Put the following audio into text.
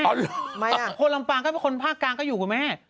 คนลำปางก็เป็นคนภาคกลางก็อยู่คุณแม่